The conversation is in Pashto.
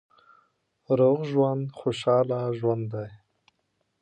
روغ ژوند خوشاله ژوند دی.